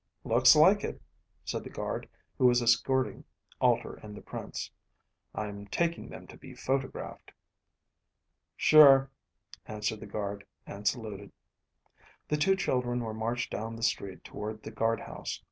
"Looks like it," said the guard who was escorting Alter and the Prince. "I'm taking them to be photographed." "Sure," answered the guard, and saluted. The two children were marched down the street toward the guard house.